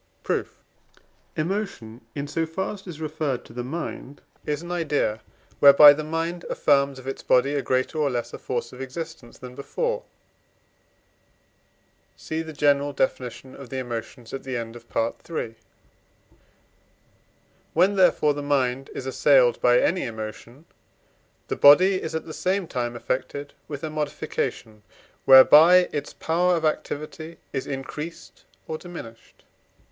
Proof. Emotion, in so far as it is referred to the mind, is an idea, whereby the mind affirms of its body a greater or less force of existence than before (cf. the general Definition of the Emotions at the end of Part III.). When, therefore, the mind is assailed by any emotion, the body is at the same time affected with a modification whereby its power of activity is increased or diminished.